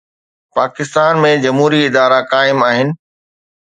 پاڪستان ۾ جمهوري ادارا قائم آهن.